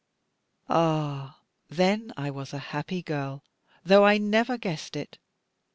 Ah, then I was a happy girl, though I never guessed it.